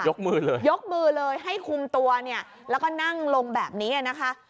มือเลยยกมือเลยให้คุมตัวเนี่ยแล้วก็นั่งลงแบบนี้นะคะ